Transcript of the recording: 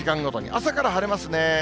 朝から晴れますね。